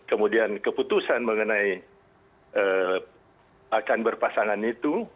kemudian keputusan mengenai akan berpasangan itu